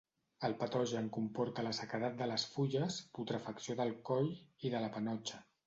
El patogen comporta la sequedat de les fulles, putrefacció del coll i de la panotxa.